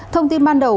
thông tin ban đầu